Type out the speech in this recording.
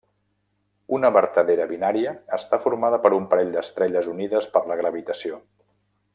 Una vertadera binària està formada per un parell d'estrelles unides per la gravitació.